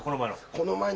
この前の。